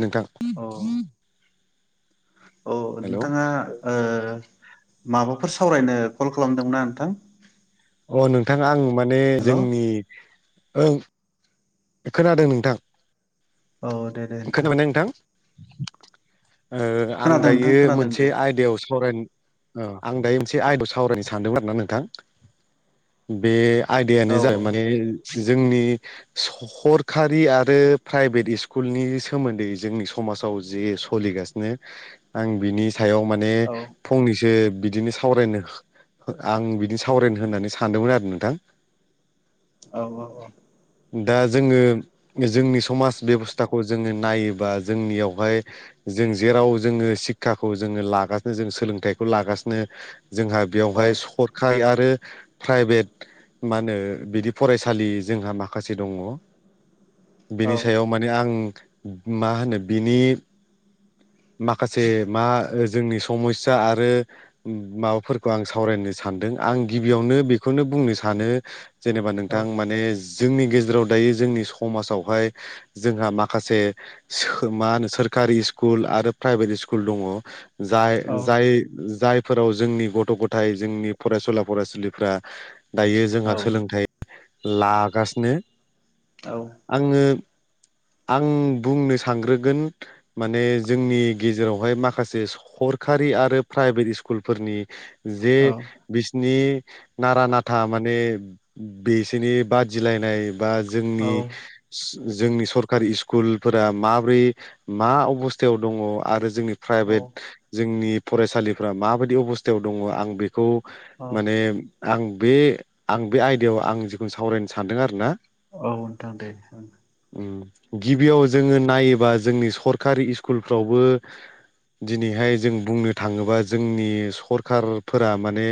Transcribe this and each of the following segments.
नोंथां औ हेलौ नोंथाङा ओ माबाफोर सावरायनो कल खालामदोंना नोंथां? अ नोंथाङा आं माने हेल' जोंनि ओं। खोनादों नोंथां। औ दे दे नोंथां खोनाबायना [inaudible] ओ आं खोनादों नोंथां दायो खोनादों मोनसे दे आयदाआव सावराय आं दायो मोनसे आयदाखौ सावरायनो सानदोंमोन आरोना नोंथां बे आयदायानो औ जाबाय माने जोंनि सरखारि आरो प्राइभेट स्कुलनि सोमोन्दै जोंनि समाजाव जे सोलिगासिनो आं बिनि सायाव माने औ फंनैसो बिदिनो सावरायनो आं बिदिनो सावरायनो होननानै सानदोंमोन आरो नोंथां औ औ दा जोङो जोंनि समाज बेबस्थाखौ जोङो नायोबा जोंनियावहाय जों जेराव जोङो सिक्षाखौ जोङो लागासिनो जों सोलोंथाइखौ लागासिनो जोंहा औ बेयावहाय सरखारि आरो प्राइभेट मा होनो बिदि फरायसालि जोंहा मा खासे दङ। औ बिनि सायाव माने आं मा होनो बिनि माखासे मा जोंनि समचा आरो माबाफोरखौ आं सावरायनो सानदों आं गिबियावनो बेखौनो बुंनो सानो जेनेबा नोंथां माने जोंनि गेजेराव दायो जोंनि समाज आवहाइ जोंहा माखासे मा होनो सोरखारि स्कुल आरो प्राइभेट स्कुल दङ। जाय जाय फोराव जोंनि गथ' गथाय जोंनि फरायसुला फरायसुलिफ्रा दायो जोंहा सोलोंथाइ लागासिनो आङो आं बुंनो सानग्रोगोन माने जोंनि गेजेरावहाय माखासे सरखारि आरो प्राइभेट स्कुलफोरनि जे बिसिनि नारा नाथा माने बिसिनि बादिलायनाय बा जोंनि जोंनि सरकारि स्कुलफोरा माब्रै मा अबसथा थायाव दङ आरो जोंनि औ प्राइभेट जोंनि फरायसालिफ्रा माबादि अबस्थायाव दङ आं बे खौ औ माने आं बे आं बे आयदायाव आं जिखुनो सावरायनो सानदों आरो ना औ नोंथां दे उम गिबियाव जोङो नायोबा जोंनि सरकारि स्कु- स्कुलफ्रावबो दिनैहाय जों बुंनो थाङोबा जोंनि सरखारफोरा माने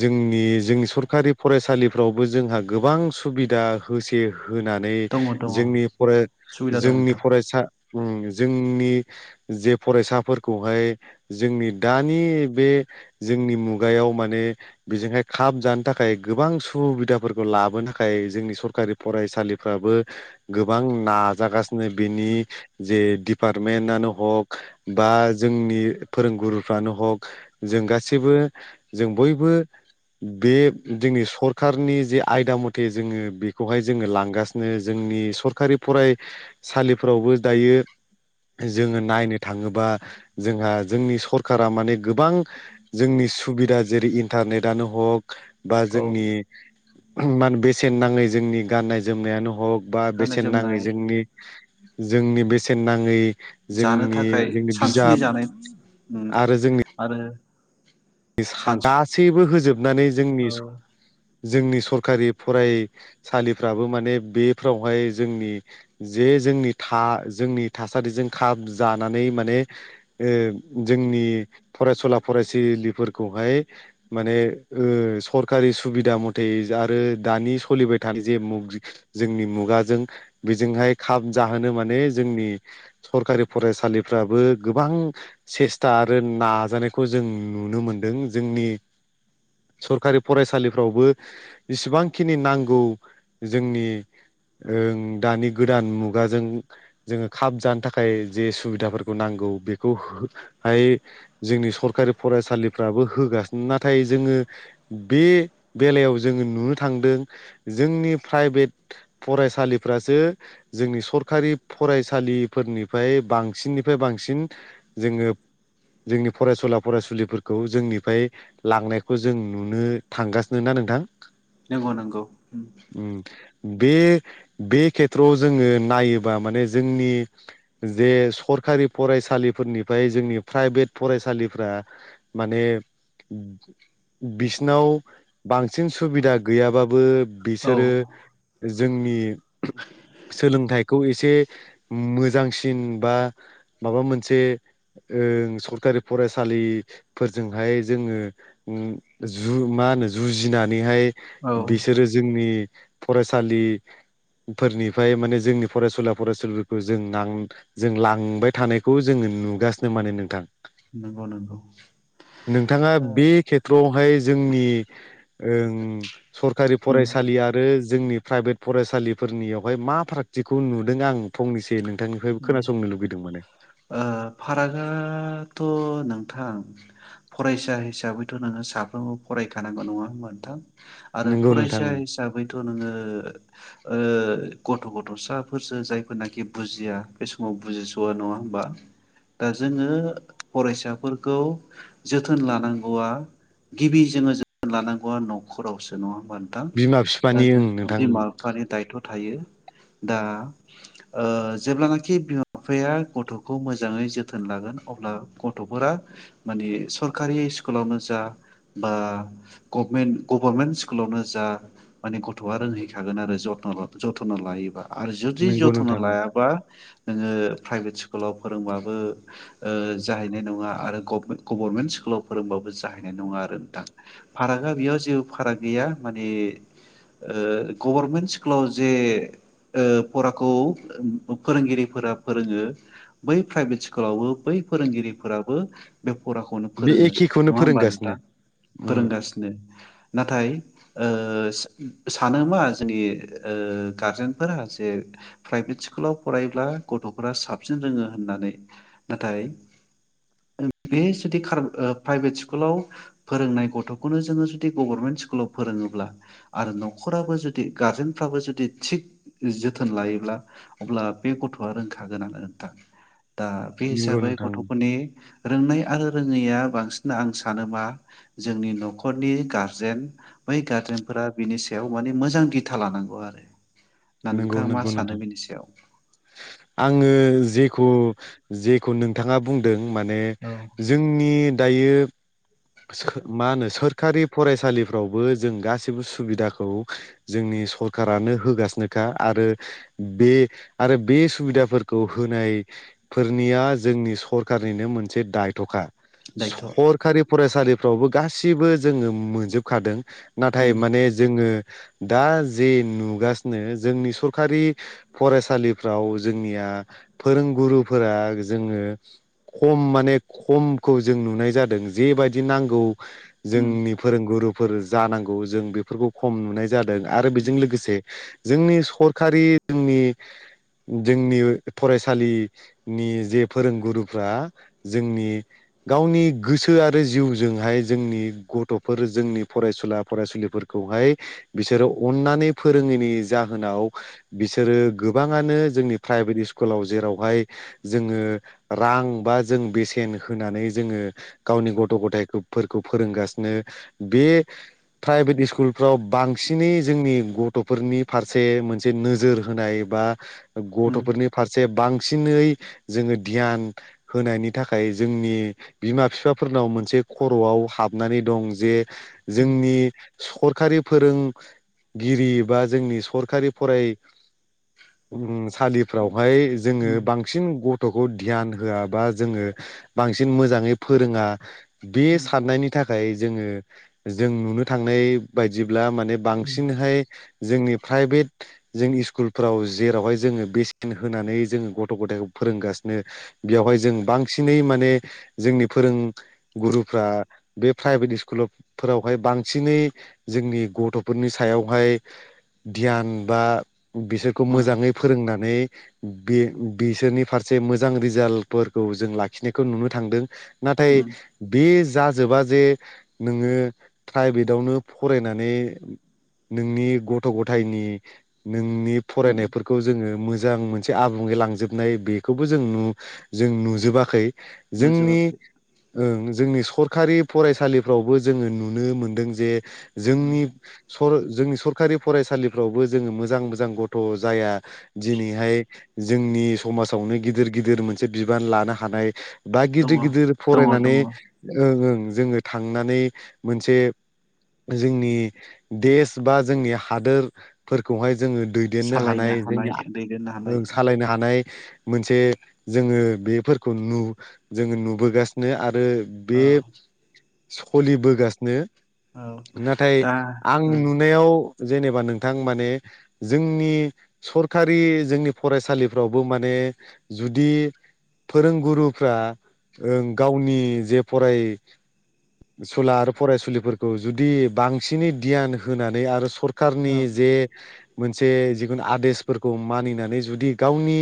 जोंनि जोंनि सरखारि फरायसालिफ्रावबो जोंहा गोबां सुबिदा होसे होनानै दङ दङ जोंनि फराय सुबिदा दं जोंनि नोंथां फरायसा उम जों जोंनि जे फरायसाफोरखौहाय जोंनि दानि बे जोंनि मुगायाव माने बेजोंहाय खाब जानो थाखाय गोबां सुबिदाफोरखौ लाबोनो थाखाय जोंनि सरखारि फरायसालिफ्राबो गोबां नाजागासिनो बेनि जे दिपार्टमेन्टनो हक बा जोंनि फोरोंगुरुफ्रानो हक जों गासैबो जों बयबो बे जोंनि सरखारनि जे आयदा मथे जोङो बेखौहाय जोङो लांगासिनो जोंनि सरखारि फरायसालिफोरावबो दायो जोङो नायनो थाङोबा जोंहा जोंनि सरखारा माने गोबां जोंनि सुबिदा जेरै इन्टारनेटनो हक बा औ जोंनि मान बेसेन नाङै जोंनि गाननाय जोमनायानो हग बा गाननाय बेसेन नाङै जोमनाय जोंनि जोंनि बेसेन नाङै जानो जोंनि थाखाय जोंनि सानसुनि बिजाब जानाय उम आरो जोंनि आरो [unintelligible] सानसु गासैबो होजोब हाबनानै जोंनि औ जोंनि सरखारि फरायसालिफ्राबो माने बेफ्रावहाय जोंनि जे जोंनि था जोंनि थासारिजों खाब जानानै माने ओ जोंनि फरायसुला फरायसुलि फोरखौहाय माने ओ सरकारि सुबिदा मथे आरो दानि सलिबाय थानाय जे मुग जोंनि मुगाजों बेजोंहाय खाब जाहोनो माने जोंनि सरकारि फरायसालिफ्राबो गोबां सेस्था आरो नाजानायखौ जों नुनो मोनदों जोंनि सरकारि फरायसालिफ्रावबो जसेबांखिनि नांगौ जोंनि ओं दानि गोदान मुगाजों जोङो खाब जानो थाखाय जे सुबिदाफोरखौ नांगौ बेखौहाय जोंनि सरकारि फरायसालिफ्राबो होगासिनो। नाथाय जोङो बे बेलायाव जोङो नुनो थांदों जोंनि प्राइभेट फरायसालिफ्रासो जोंनि सरकारि फरायसालिफोरनिफ्राय बांसिननिफ्राय बांसिन जोङो जोंनि फरायसुला फरायसुलिफोरखौ जोंनिफ्राय लांनायखौ जों नुनो थांगासिनो ना नोंथां! नोंगौ नोंगौ उम बे बे खेथ्रआव जोङो नायोबा माने जोंनि जे सरखारि फरायसालिफोरनिफ्राय जोंनि प्राइभेट फरायसालि फ्रा माने बिसिनाव बांसिन सुबिदा गैयाबाबो औ बिसोरो जोंनि सोलोंथाइखौ एसे मोजांसिन बा माबा मोनसे ओं सरकारि फरायसालिफोरजोंहाय जोङो जु मा होनो जुजिनानैहाय औ बिसोरो जोंनि फरायसालि फोरनिफ्राय माने जोंनि फरायसुला फरायसुलिफोरखौ जों नां जों लांबाय थानायखौ जोङो नुगासिनो माने नोंथां। नंगौ नंगौ नोंथाङा बे उम खेथ्रआवहाय जोंनि ओं सरकारि फरायसालि आरो जोंनि प्राइभेट फरायसालिफोरनियावहाय मा फारागथिखौ नुदों आं फंनैसो नों ओ फारागाथ' नों थां फरायसा हिसाबैथ' नोङो साफ्रोमबो फरायखानांगौ नङा नोंथां? आरो नोंगौ नोंथां फरायसा हिसाबैथ' नोङो ओ गथ' गथ'साफोरसो जायफोरनाखि बुजिया बे समाव बुजिस'आ नङा होमबा ओ जोङो फरायसाफोरखौ जोथोन लानांगौआ गिबि जोङो जोथोन लानांगौआ न'खरावसो नङा होमबा नोंथां! बिमा ओ बिफानि ओं जों नोंथां बिमा बिफानि दायथ' थायो दा ओ जेब्लाना खि बिमा बिफाया गथ'खौ मोजाङै जोथोन लागोन अब्ला गथ'फोरा मानि सरकारि स्कुलावनो जा बा गभमेन्ट गभर्मेन्ट स्कुलावनो जा माने गथ'आ रोंहैखागोन आरो जथ जथ्न' लायोबा। आरो जुदि नोंगौ जथ्न' नोंथां लायाबा नोङो प्राइभेट स्कुलाव फोरोंबाबो ओ जाहैनाय नङा आरो गभमे-गभारमेन्ट स्कुलाव फोरोंबाबो जाहैनाय नङा आरो नोंथां फारागा बेयाव जेबो फाराग गैया माने ओ गभार्मेन्ट स्कुलाव जे ओ फराखौ फोरोंगिरि फोरा फोरोङो बै प्राइभेट स्कुलावबो बै फोरोंगिरिफोराबो बे फराखौनो बे फोरोङो एखेखौनो नङा होमबा फोरोंगासिनो नोंथां उम फोरोंगासिनो नाथाय ओ सा-सानो मा जोंनि ओ जोंनि गारजेनफोरा जे प्राइभेट स्कुलाव फरायब्ला गथ'फोरा साबसिन रोङो होननानै नाथाय बे जुदि खार ओ प्राइभेट स्कुलाव फोरोंनाय गथ'खौनो जोङो जुदि गभारनमेन्ट स्कुलाव फोरोङोब्ला आरो न'खराबो जुदि गारजेनफ्राबो जुदि थिग जोथोन लायोब्ला अब्ला बे गथ' आ रोंखागोनानो नोंथां। दा बे नोंगौ हिसाबै नोंथां गथ'फोरनि रोंनाय आरो रोङैया बांसिन आं सानो मा जोंनि न'खरनि गारजेन बै गारजेनफोरा बिनि सायाव माने मोजां दिथा लानांगौ आरो नोंगौ नोंथाङा मा नोंगौ नोंथां सानो बेनि सायाव? आङो जेखौ-जेखौ नोंथाङा बुंदों माने औ जोंनि दायो मा होनो सोरखारि फरायसालिफ्रावबो जों गासैबो सुबिदाखौ जोंनि सरखारानो होगासिनोखा आरो बे आरो बे सुबिदाफोरखौ होनायफोरनिया जोंनि सरखारनिनो मोनसे दायथ'खा दायथ' सरखारि फरायसालिफ्रावबो गासिबो जोङो मोनजोबखादों नाथाय उम माने जोङो दा जे नुगासिनो जोंनि सरखारि फरायसालिफ्राव जोंनिया फोरोंगुरुफोरा जोङो खम माने खमखौ जों नुनाय जादों जेबायदि नांगौ उम जोंनि फोरोंगुरु फोर जानांगौ जों बेफोरखौ खम नुनाय जादों आरो बेजों लोगोसे जोंनि सरखारि जोंनि जोंनि फरायसालिनि जे फोरोंगुरुफ्रा जोंनि गावनि गोसो गोसो आरो जिउजोंहाय जोंनि गथ'फोर जोंनि फरायसुला फरायसुलिफोरखौहाय बिसोरो अननानै फोरोङैनि जाहोनाव बिसोरो गोबाङानो जोंनि प्राइभेट स्कुलाव जेरावहाय जोङो रां बा जों बेसेन होनानै जोङो गावनि गथ' गथायफोरखौ फोरोंगासिनो बे प्राइभेट स्कुलफ्राव बांसिनै जोंनि गथ'फोरनि फारसे मोनसे नोजोर होनाय बा उम गथ'फोरनि फारसे बांसिन बांसिनै जोङो ध्यान होनायनि थाखाय जोंनि बिमा बिफा फोरनाव मोनसे खर'आव हाबनानै दं जे उम जोंनि सरखारि फोरोंगिरि बा जोंनि सरखारि फराय सालिफ्रावहाय जोङो उम बांसिन ग गथ'खौ ध्यान होआबा जोङो बांसिन मोजाङै फोरोङा [inaudible] [inaudible] बे साननायनि थाखाय खाय जोङो जों नुनो थांनाय बायदि ब्ला माने उम बांसिनहाय जोंनि प्राइभेट जों स्कुलफ्राव जेरावहाय जोङो बेसेन होनानै जोङो गथ' गथायाइखौ फोरोंगासिनो बेयावहाय जों बांसिनै माने जोंनि फोरों गुरुफ्रा बे प्राइभेट स्कुलाव फोरावहाय बांसिनै जोंनि गथ'फोरनि सायावहाय ध्यान बा बिसोरखौ उम मोजाङै फोरोंनानै बे-बेसोरनि फारसे मोजां रिजाल्टफोरखौ जों लाखिनायखौ नुनो थांदों। नाथाय उम बे ज जाजोबा जे नोङो प्रायभेटआवनो फरायनानै नोंनि गथ' गथायनि नोंनि फरायनायफोरखौ जोङो मोजां मोनसे आबुङै लांजोबनाय बेखौबो जों नु जों नुजोबाखै। जोंनि नुजोबाखै ओं जोंनि सरखारि फरायसालिफ्रावबो जोङो नुनो मोनदों जे जोंनि सर जोंनि सरखारि फरायसालिफ्रावबो जोङो मोजां मोजां गथ' जाया दिनैहाय जोंनि समाजावनो गिदिर-गिदिर मोनसे बिबान लानो हानाय बा दङ गिदिर गिदिर दङ दङ फरायनानै ओं ओं जोङो थांनानै मोनसे जोंनि देश बा जोंनि हादोरफोरखौहाय जोङो दैदेननो सालायनो हानाय जोंनि दैदेननो हानाय सालायनो हानाय मोनसे जोङो बेफोरखौ नु जोङो नुबोगासि नो आ रो औ बे सलिबोगासिनो। औ नाथाय दा आं नुनायाव जेनेबा नोंथां माने जोंनि सरखारि जोंनि फरायसालिफ्रावबो माने जुदि फोरोंगुरुफ्रा ओं गावनि जे फरायसुला आरो फरायसुलिफोरखौ जुदि बांसिनै धियान होनानै आरो सर खारनि औ जे मोनसे जिखुनु आदेशफोरखौ मानिनानै जुदि गावनि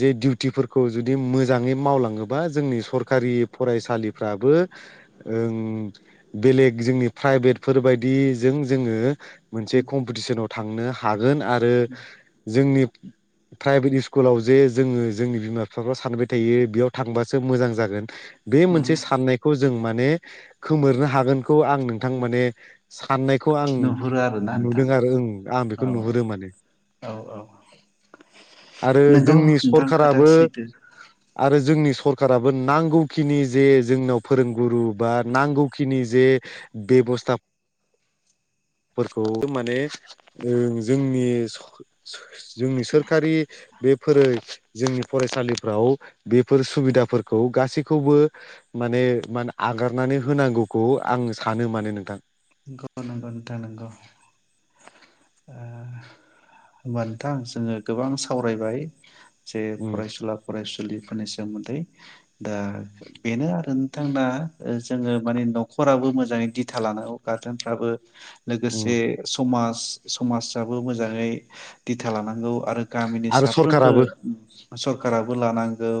जे दिउटिफोरखौ जुदि मोजाङै मावलाङोबा जोंनि सर खारि फरायसालिफ्राबो ओं बेलेग जोंनि प्राइभेटफोरबायदिजों जोङो मोनसे कम्पिटिसनाव थांनो गोन आरो जोंनि प्राइभेट इस्कुलाव जे जोङो जोंनि बिमा बिफाफ्रा सानबाय थायो बेयाव थांबासो मोजां जागोन [unintelligible] बे मोनसे साननायखौ जों माने खोमोरनो हागोनखौ आं नोंथां माने साननायखौ आं नुहुरो आरोना नोंथां नुदों आरो ओं आं औ बेखौ नुहुरो माने। औ औ आरो नोंगौ जोंनि नोंथां खोथा सरखाराबो सैथो आरो जोंनि सरकाराबो नां नांगौखिनि जे जोंनाव फोरोंगुरु बा नांगौखिनि जे बेबस्था [inaudible] फोरखौ माने ओ जोंनि सो-सो जोंनि सोरखारि बेफोरो जोंनि फरायसालिफ्राव बेफोर सुबिदाफोरखौ गासै खौबो माने आगारनानै होनांगौखौ आं सानो माने नोंथां नंगौ-नंगौ नोंथां नंगौ होमबा नोंथां जोङो गोबां सावरायबाय जे उम फरायसुला फरायसुलिफोरनिसम सोमोन्दै दा बेनो आरो नोंथां दा जोङो माने न'खराबो मोजाङै दिथा लानांगौ। गारजेनफ्राबो उम लोगोसे समाज समाजाबो मोजाङै दिथा लानांगौ आरो गामिनि आरो साफ्रोमबो सरखाराबो सरकाराबो लानांगौ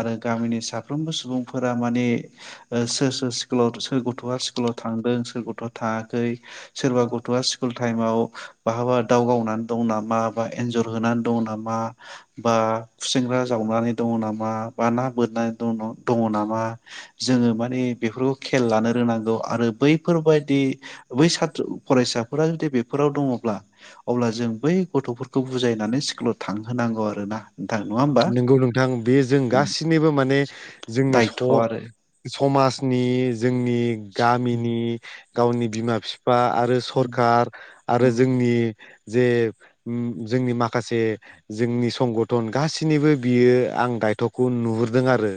आरो गामिनि सा फ्रोमबो सुबुंफोरा माने ओ सोर सोर स्कुलाव सोर गथ'आ स्कुलाव थांदों सोर गथ'आ थाङाखै सोरबा गथ'आ स्कुल टाइमाव बहाबा दाव गावनानै दं नामा बा एनजर होनानै दङ नामा बा फुसेंग्रा जावनानै दङ नामा बा ना बोननानै द दङ नामा जोङो माने बेफोरखौ खेल लानो रोंनांगौ आरो बै बेफोरबायदि बै साथ्र फरायसाफोरा जुदि बेफोराव दङब्ला अब्ला जों बै गथ'फोरखौ बुजायनानै स्कुलाव थांहोनांगौ आरो ना नोंथां नङा होमबा नंगौ नोंथां बे जों गासिनिबो माने जोंनि स दायथ' आरो समाजनि जोंनि गामिनि गावनि बिमा बि फा आरो सरकार आरो जोंनि जे उ जोंनि माखासे जोंनि संगधन गा सिनिबो बियो आं दायथ'खौ नुहुरदों आरो